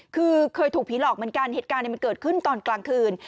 คือเคยถูกผีหลอกเหมือนกันเหตุการณ์มันเกิดขึ้นตอนกลางคืน